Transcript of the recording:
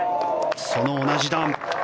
その同じ段。